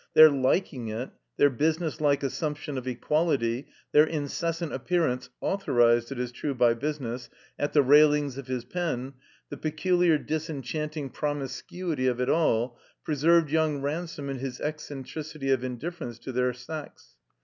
Their liking it, their businesslike assumption of equality, their incessant appearance (authorized, it is true, by business) at the railings of his pen, the peculiar disenchanting promiscuity of it all, preserved young Ransome in his eccentricity of indifference to their sex.